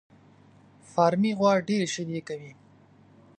فارمي غوا ډېري شيدې کوي